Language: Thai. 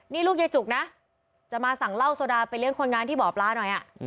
นี่ลูกยายจุกนะจะมาสั่งเหล้าโซดาไปเลี้ยคนงานที่บ่อปลาหน่อย